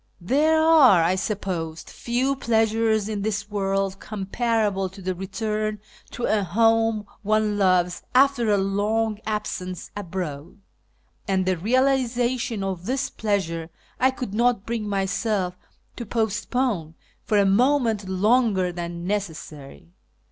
There are, I suppose, few pleasures in this world comparable to the return to a home one loves after a long absence abroad ; and the realisation of this pleasure I could not bring myself to postpone for a moment longer than necessary.